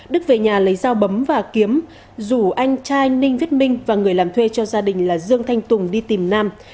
đức về nhà lấy dao bấm và kiếm rủ anh trai ninh viết minh và người làm thuê cho gia đình là dương thanh tùng đi tìm nam